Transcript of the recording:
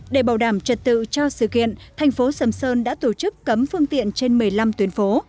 để bảo đảm trật tự cho sự kiện thành phố sầm sơn đã tổ chức cấm phương tiện trên một mươi năm tuyến phố